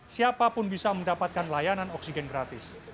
siapapun bisa mendapatkan layanan oksigen gratis